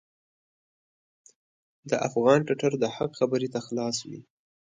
د افغان ټټر د حق خبرې ته خلاص وي.